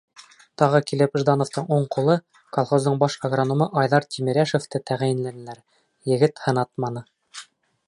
Тағы килеп Ждановтың уң ҡулы — колхоздың баш агрономы Айҙар Тимеряшевты тәғәйенләнеләр, егет һынатманы.